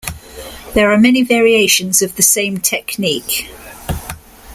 There are many variations of the same technique.